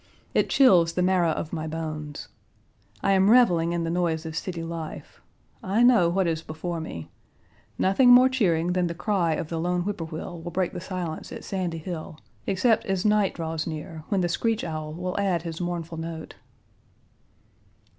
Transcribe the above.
It chills the marrow of my bones. I am reveling in the noise of city life. I know what is before me. Nothing more cheering than the cry of the lone whippoorwill will break the silence at Sandy Hill, except as night draws near, when the screech owl will add his mournful note.